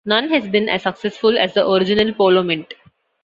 None has been as successful as the Original Polo mint.